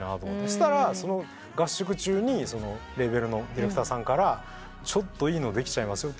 したらその合宿中にそのレーベルのディレクターさんから「ちょっといいのできちゃいますよ」